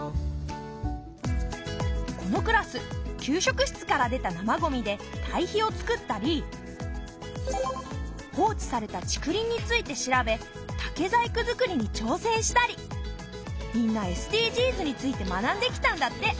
このクラス給食室から出た生ゴミで堆肥をつくったり放置された竹林について調べ竹細工づくりに挑戦したりみんなＳＤＧｓについて学んできたんだって。